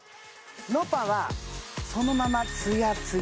ｎｏｐａはそのままツヤツヤ